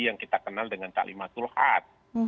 yang kita kenal dengan talimatul haq